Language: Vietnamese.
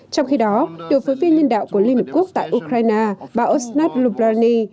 trong khi đó đội phối viên nhân đạo của liên hợp quốc tại ukraine bà osnab lubrani